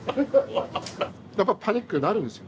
やっぱパニックになるんですよ。